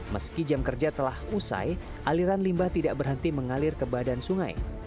meski jam kerja telah usai aliran limbah tidak berhenti mengalir ke badan sungai